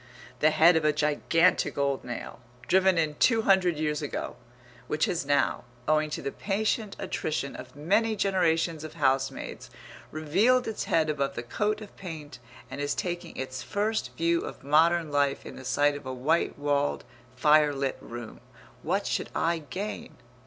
the head of a gigantic old nail, driven in two hundred years ago, which has now, owing to the patient attrition of many generations of housemaids, revealed its head above the coat of paint, and is taking its first view of modern life in the sight of a white walled fire lit room, what should I gain?